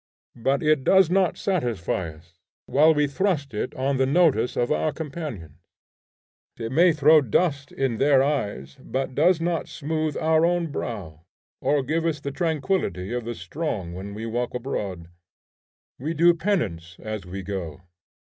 But it does not satisfy us, whilst we thrust it on the notice of our companions. It may throw dust in their eyes, but does not smooth our own brow, or give us the tranquillity of the strong when we walk abroad. We do penance as we go.